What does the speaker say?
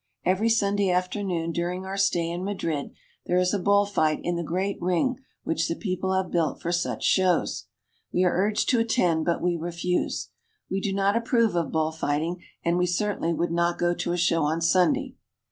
Every Sunday afternoon during our stay in Madrid there is a bull fight in the great ring which the people have built for such shows. We are urged to attend, but we refuse. We do not approve of bull fighting, and we certainly would not go to a show on Sunday.